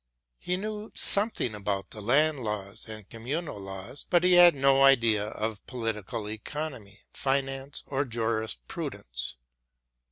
He knew something about the land laws and communal laws, but had no idea of political economy, finance or jurisprudence.